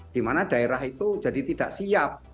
di mana daerah itu jadi tidak siap